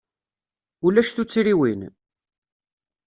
Ulac tuttriwin?